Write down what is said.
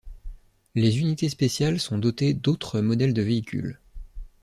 Les unités spéciales sont dotées d'autres modèles de véhicules.